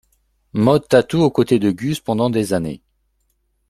Maud tatoue aux côtés de Gus pendant des années.